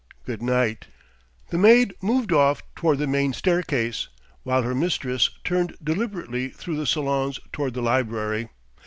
"Good night." The maid moved off toward the main staircase, while her mistress turned deliberately through the salons toward the library.